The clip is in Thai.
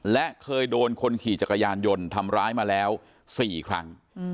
และเคยโดนคนขี่จักรยานยนต์ทำร้ายมาแล้ว๔ครั้ง